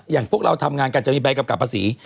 อย่างพวกเราทำงานกันจะมีใบกำกับภาษี